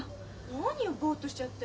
何よボッとしちゃって。